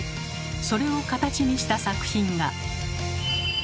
それを形にした作品が。